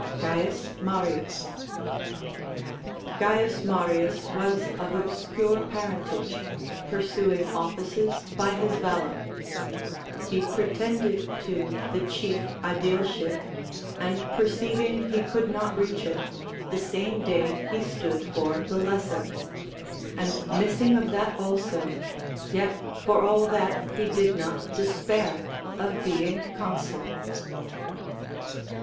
C. Marius. C. Marius was of obscure parentage, pur suing offices by his valor. He pretended to the chief aedileship, and perceiving he could not reach it, the same day he stood for the lesser, and missing of that also, yet for all that he did not despair of being consul.